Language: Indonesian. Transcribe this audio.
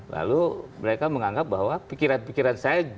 lalu mereka menganggap bahwa pikiran pikiran saya